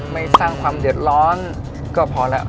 ไม่สร้างความเดือดร้อนก็พอแล้ว